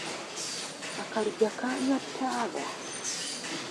Akaliga kaanywa taba.